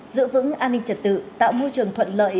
giữ vững an ninh trật tự tạo môi trường thuận lợi